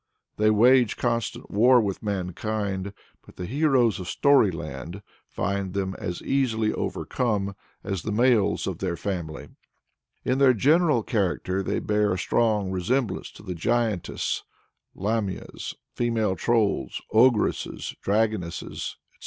They wage constant war with mankind, but the heroes of storyland find them as easily overcome as the males of their family. In their general character they bear a strong resemblance to the Giantesses, Lamias, female Trolls, Ogresses, Dragonesses, &c.